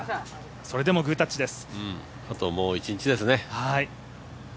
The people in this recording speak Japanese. それでもグータッチです。